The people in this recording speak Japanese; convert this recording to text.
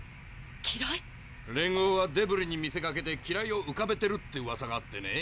機雷⁉「連合はデブリに見せかけて機雷をうかべてる」ってうわさがあってね